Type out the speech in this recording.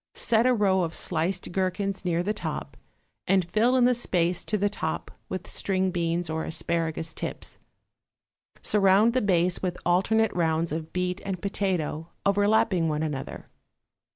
Set a row of sliced gherkins near the top, and fill in the space to the top with string beans or asparagus tips. Surround the base with alternate rounds of beet and potato overlapping one another.